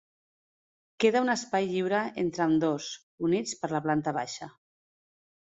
Queda un espai lliure entre ambdós; units per la planta baixa.